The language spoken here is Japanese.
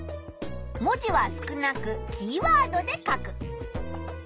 文字は少なくキーワードで書く。